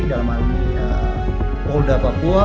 dalam hal ini polda papua